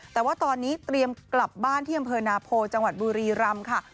แต่ว่าตอนนี้เตรียมกลับบ้านที่อำเภอนาโพจังหวัดบุรีรำค่ะ